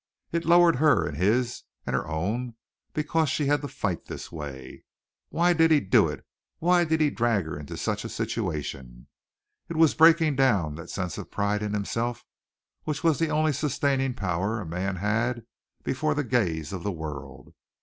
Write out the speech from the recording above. It lowered her in his and her own because she had to fight this way. Why did he do it? Why did he drag her into such a situation? It was breaking down that sense of pride in himself which was the only sustaining power a man had before the gaze of the world.